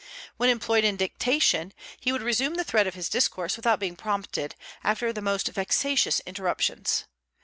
When employed in dictation, he would resume the thread of his discourse without being prompted, after the most vexatious interruptions.